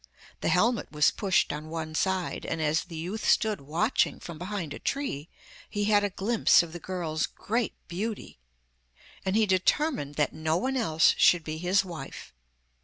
The helmet was pushed on one side, and as the youth stood watching from behind a tree he had a glimpse of the girl's great beauty; and he determined that no one else should be his wife.